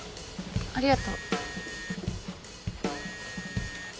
ありがとう。